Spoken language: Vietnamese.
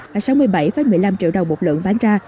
và sáu mươi bảy một mươi năm triệu đồng một lượng bán ra